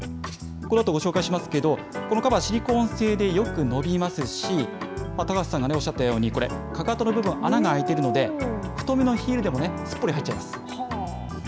このあとご紹介しますけれども、シリコーン製でよく伸びますし、高瀬さんがおっしゃったように、これ、かかとの部分、穴が開いているので、太めのヒールでもね、すっぽり入っちゃいます。